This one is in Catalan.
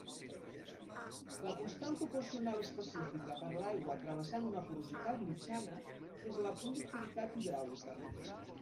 La constant proporcional específica per a l'aigua travessant una porositat mitjana és la conductivitat hidràulica.